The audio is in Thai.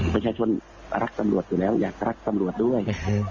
ประชาชนรักตำรวจอยู่แล้วอยากรักตำรวจด้วย